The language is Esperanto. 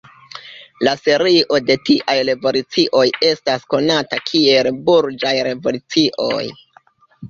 La serio de tiaj revolucioj estas konata kiel Burĝaj revolucioj.